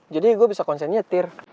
jadi gue bisa konsen nyetir